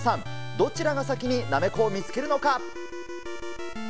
どちらが先にナメコを見つけるのか。